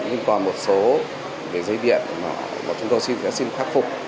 nhưng còn một số dây điện mà chúng tôi sẽ xin khắc phục